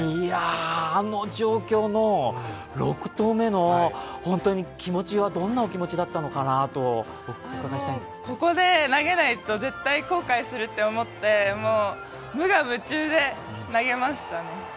あの状況の６投目の気持ちは、どんなお気持ちだったのかとお伺いしたいんですけどここで投げないと絶対後悔すると思って無我夢中で投げましたね。